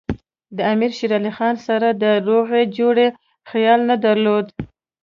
د امیر شېر علي خان سره د روغې جوړې خیال نه درلود.